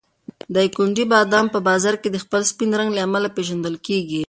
د دایکنډي بادام په بازار کې د خپل سپین رنګ له امله پېژندل کېږي.